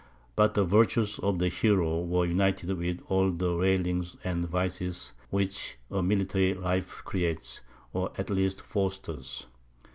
But the virtues of the hero were united with all the railings and vices which a military life creates, or at least fosters.